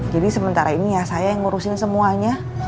jadi sementara ini ya saya yang ngurusin semuanya